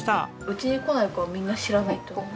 うちに来ない子はみんな知らないと思う。